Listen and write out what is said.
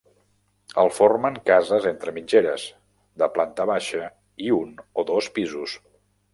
El formen cases entre mitgeres, de planta baixa i un o dos pisos.